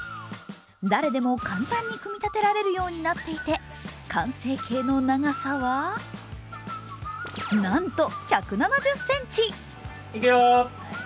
誰でも簡単に組み立てられるようになっていて完成形の長さはなんと１７０ｃｍ。